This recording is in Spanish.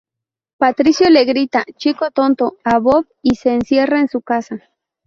Patricio le grita "chico tonto" a Bob y se encierra en su casa.